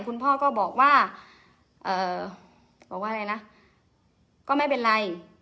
คุณพ่อก็บอกว่าเอ่อบอกว่าอะไรนะก็ไม่เป็นไร